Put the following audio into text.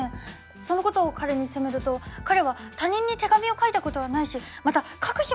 そのことを彼に責めると彼は他人に手紙を書いたことはないしまた書く暇もないと言うのです。